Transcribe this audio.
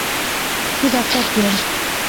زه دفتر کې یم.